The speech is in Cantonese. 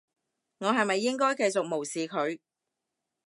我係咪應該繼續無視佢？